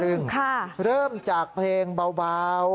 เริ่มจากเพลงเบา